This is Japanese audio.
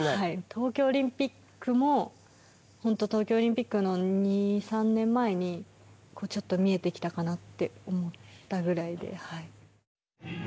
東京オリンピックも本当、東京オリンピックの２３年前に、ちょっと見えてきたかなって思ったぐらいで。